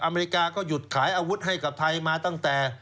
อเมริกาก็หยุดขายอาวุธให้กับไทยมาตั้งแต่